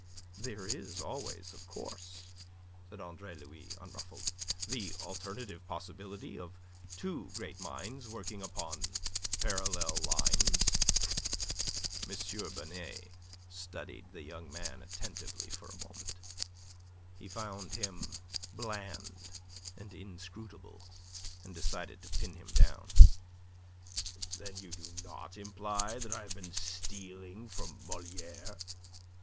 "There is always, of course," said Andre Louis, unruffled, "the alternative possibility of two great minds working upon parallel lines." M. Binet studied the young man attentively a moment. He found him bland and inscrutable, and decided to pin him down. "Then you do not imply that I have been stealing from Moliere?"